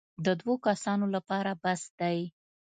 د دوو کسانو لپاره بس دی.